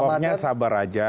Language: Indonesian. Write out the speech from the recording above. pokoknya sabar aja